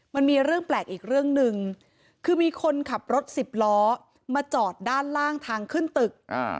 มันมีเรื่องแปลกอีกเรื่องหนึ่งคือมีคนขับรถสิบล้อมาจอดด้านล่างทางขึ้นตึก